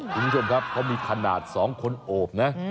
คุณผู้ชมครับเขามีขนาด๒คนโอบนะ